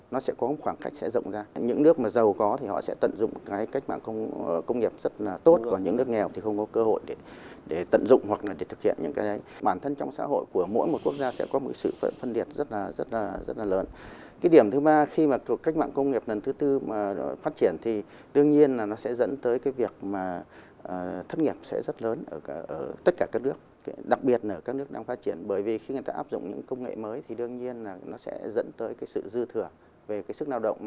bởi vì khi người ta áp dụng những công nghệ mới thì đương nhiên là nó sẽ dẫn tới sự dư thừa về sức nào động